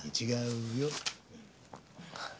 違うよ。